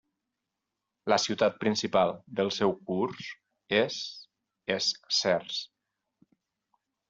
La ciutat principal del seu curs és Es Sers.